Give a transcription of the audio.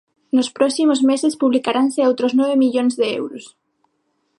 Nos próximos meses publicaranse outros nove millóns de euros.